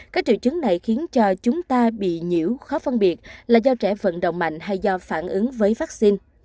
các triệu chứng này khiến cho chúng ta bị nhiễu khó phân biệt là do trẻ vận động mạnh hay do phản ứng với vaccine